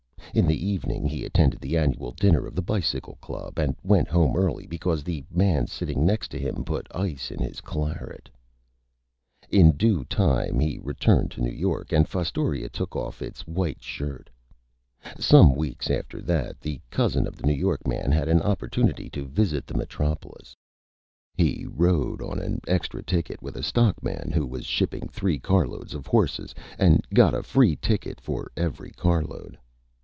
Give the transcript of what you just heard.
In the Evening he attended the Annual Dinner of the Bicycle Club, and went Home early because the Man sitting next to him put Ice in his Claret. [Illustration: SNAKE CHARMER] In due time he returned to New York, and Fostoria took off its White Shirt. Some Weeks after that, the Cousin of the New York Man had an Opportunity to visit the Metropolis. He rode on an Extra Ticket with a Stockman who was shipping three Car Load of Horses, and got a Free Ticket for every Car Load.